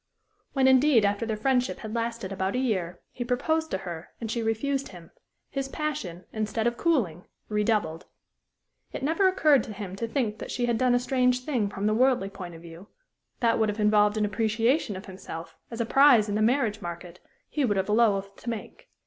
When, indeed, after their friendship had lasted about a year, he proposed to her and she refused him, his passion, instead of cooling, redoubled. It never occurred to him to think that she had done a strange thing from the worldly point of view that would have involved an appreciation of himself, as a prize in the marriage market, he would have loathed to make.